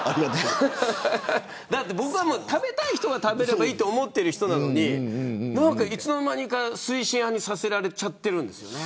僕は食べたい人が食べればいいと思っている人なのにいつの間にか推進派にさせられちゃってるんです。